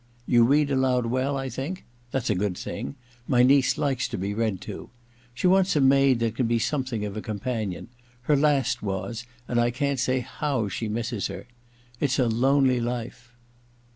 You read aloud well, I think ? That's a good thing ; my niece likes to be read to. She wants a maid that can be sometlung of a companion : her last was, and I can't say how I THE LADY'S MAID'S BELL 123 she misses her. It's a lonely life.